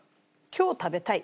今日食べたい。